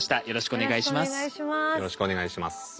よろしくお願いします。